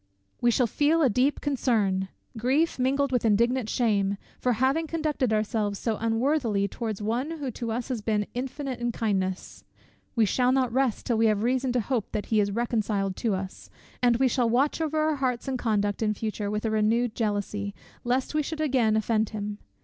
We shall feel a deep concern, grief mingled with indignant shame, for having conducted ourselves so unworthily towards one who to us has been infinite in kindness: we shall not rest till we have reason to hope that he is reconciled to us; and we shall watch over our hearts and conduct in future with a renewed jealousy, lest we should again offend him.